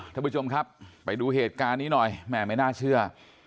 ท่านผู้ชมครับไปดูเหตุการณ์นี้หน่อยแม่ไม่น่าเชื่อ